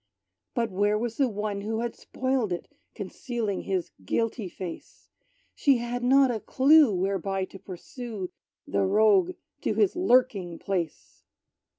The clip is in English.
But, where was the one who had spoiled it Concealing his guilty face? She had not a clue, whereby to pursue The rogue to his lurking place!